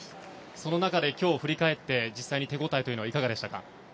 その中で今日振り返って実際に手応えはどうでしたか？